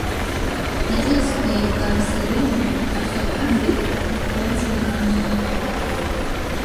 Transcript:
Атекстқәа еивгарас ирымоу аорфографиеи апунктуациеи рганахь алоуп.